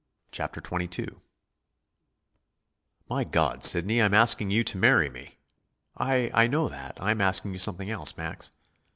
CHAPTER XXII "My God, Sidney, I'm asking you to marry me!" "I I know that. I am asking you something else, Max."